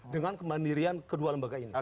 dengan kemandirian kedua lembaga ini